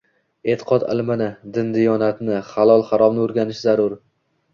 e’tiqod ilmini, din-diyonatni, halol-haromni o‘rgatish zarur.